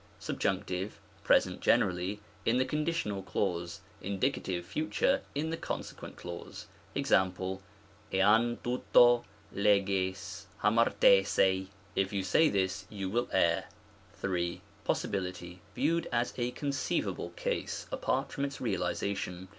Subjunct. (Present generally) in the conditional clause ; Indie. Future in the consequent clause. Mc.^ iav tovto Xs yHQy ccjLiagrrjaecy (if you say this, you will err). in. Possibility viewed as a conceivable case, apart from its realization.